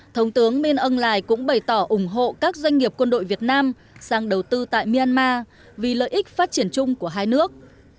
thống tướng minh âu lài cũng bày tỏ ủng hộ các doanh nghiệp quân đội việt nam sang đầu tư tại myanmar vì lợi ích phát triển chung của hai nước